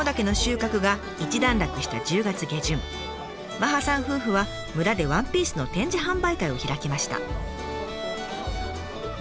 麻葉さん夫婦は村でワンピースの展示販売会を開きました。